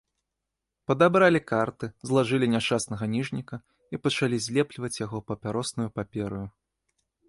Падабралі карты, злажылі няшчаснага ніжніка і пачалі злепліваць яго папяроснаю папераю.